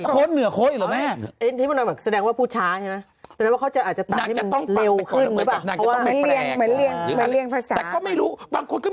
เป็นอร่อยล่ะโคชก์อีกทีนี่